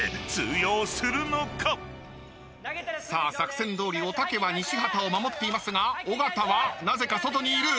［さあ作戦どおりおたけは西畑を守っていますが尾形はなぜか外にいる］